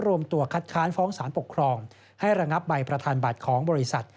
รวมตัวคัดค้านฟ้องสารปกครองให้ระงับใบประธานบัตรของบริษัท